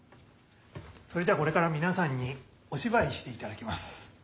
それじゃこれから皆さんにお芝居していただきます。